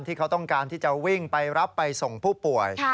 ที่เขาต้องการที่จะวิ่งไปรับไปส่งผู้ป่วย